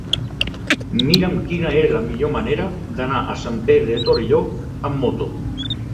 Mira'm quina és la millor manera d'anar a Sant Pere de Torelló amb moto.